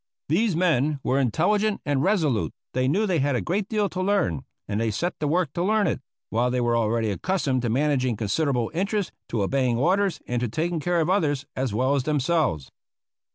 These men were intelligent and resolute; they knew they had a great deal to learn, and they set to work to learn it; while they were already accustomed to managing considerable interests, to obeying orders, and to taking care of others as well as themselves.